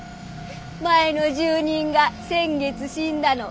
前の住人が先月死んだの。